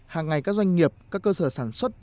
hàng ngày các doanh nghiệp các cơ sở sản xuất